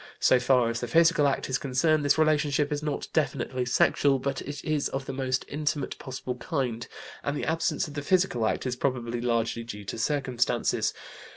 So far as the physical act is concerned this relationship is not definitely sexual, but it is of the most intimate possible kind, and the absence of the physical act is probably largely due to circumstances.